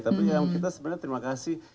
tapi yang kita sebenarnya terima kasih